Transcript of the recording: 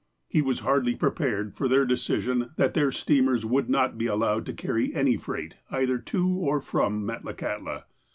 He was hardly prepared for their decision that their steamers would not be allowed to carry any freight, either to or from Metlakahtla.